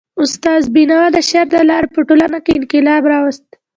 استاد بینوا د شعر د لاري په ټولنه کي انقلاب راوست.